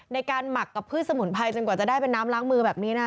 หมักกับพืชสมุนไพรจนกว่าจะได้เป็นน้ำล้างมือแบบนี้นะ